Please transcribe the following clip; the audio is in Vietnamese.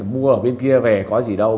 mua ở bên kia về có gì đâu